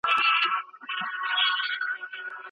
ځیني خلک د نورو خبرو اورېدو ته غوږ نه نیسي.